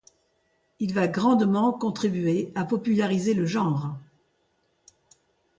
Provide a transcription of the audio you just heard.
Il va grandement contribuer à populariser le genre.